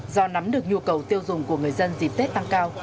do nắm được nhu cầu tiêu dùng của người dân dịp tết tăng cao